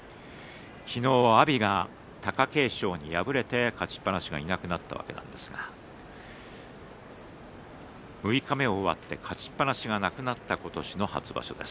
昨日は阿炎が貴景勝に敗れて勝ちっぱなしがいなくなったわけですが六日目を終わって勝ちっぱなしがいなくなった今年の初場所です。